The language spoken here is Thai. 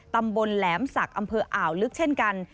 ตำบลแหลมศักดิ์อำเภออ่าวลึกเช่นกัน